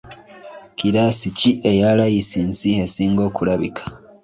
Kiraasi ki eya layisinsi esinga okulabika?